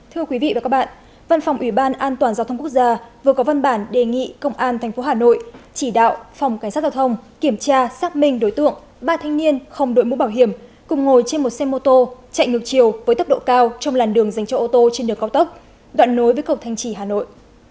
thưa quý vị và các bạn văn phòng ủy ban an toàn giao thông quốc gia vừa có văn bản đề nghị công an tp hà nội chỉ đạo phòng cảnh sát giao thông kiểm tra xác minh đối tượng ba thanh niên không đội mũ bảo hiểm cùng ngồi trên một xe mô tô chạy ngược chiều với tốc độ cao trong làn đường dành cho ô tô trên đường cao tốc đoạn nối với cầu thanh trì hà nội